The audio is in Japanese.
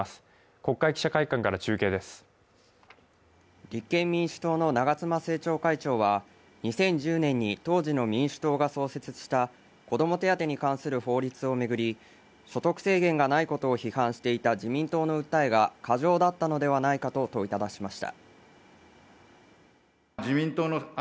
国会記者会館から中継です立憲民主党の長妻政調会長は２０１０年に当時の民主党が創設した子ども手当に関する法律を巡り所得制限がないことを批判した自民党の訴えが過剰だったのではないかと問いただしました